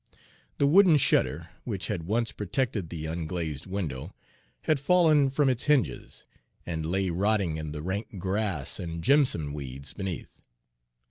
The wooden shutter, which had once protected the unglazed window, had fallen from its hinges, and lay rotting in the rank grass and jimson weeds beneath.